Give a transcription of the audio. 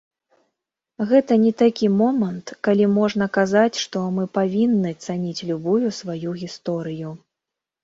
Гэта не такі момант, калі можна казаць, што мы павінны цаніць любую сваю гісторыю.